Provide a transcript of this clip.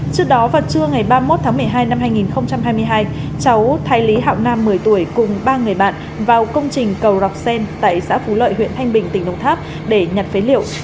trước đó vào trưa ngày ba mươi một tháng một mươi hai năm hai nghìn hai mươi hai cháu thai lý hạo nam một mươi tuổi cùng ba người bạn vào công trình cầu dọc xen tại xã phú lợi huyện thanh bình tỉnh đồng tháp để nhặt phế liệu